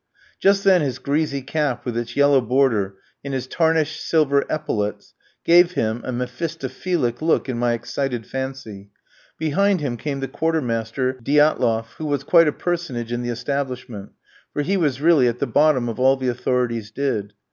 Just then his greasy cap, with its yellow border, and his tarnished silver epaulettes, gave him a Mephistophelic look in my excited fancy. Behind him came the quartermaster, Diatloff, who was quite a personage in the establishment, for he was really at the bottom of all the authorities did.